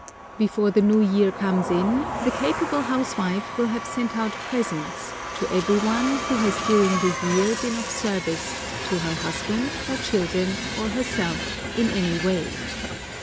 Before the new year comes in the capable housewife will have sent out presents to every one who has during the year been of service to her husband, her children, or herself in any way.